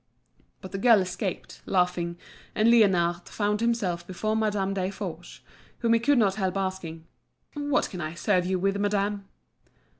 But the girl escaped, laughing, and Liénard found himself before Madame Desforges, whom he could not help asking: "What can I serve you with, madame?"